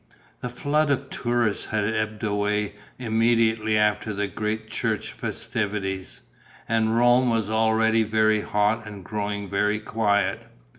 The flood of tourists had ebbed away immediately after the great church festivities; and Rome was already very hot and growing very quiet.